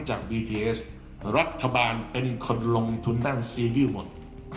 วีดีเอสรัฐบาลเป็นคนลงทุนด้านซีรีส์หมด